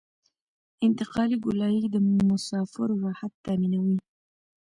انتقالي ګولایي د مسافرو راحت تامینوي